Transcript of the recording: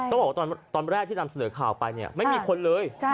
ต้องบอกว่าตอนแรกที่นำเสนอข่าวไปเนี่ยไม่มีคนเลย